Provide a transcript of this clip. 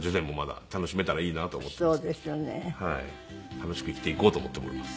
楽しく生きていこうと思っております。